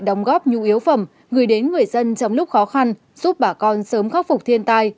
đóng góp nhu yếu phẩm gửi đến người dân trong lúc khó khăn giúp bà con sớm khắc phục thiên tai